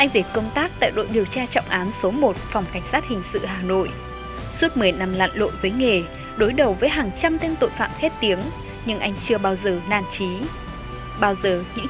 để có được sự bình yên trong lòng mỗi người làng